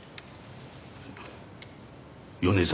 米沢